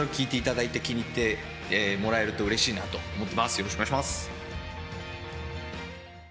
よろしくお願いします。